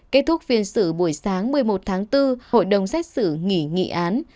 kết thúc phiên xử buổi sáng một mươi một tháng bốn hội đồng xét xử nghỉ nghị án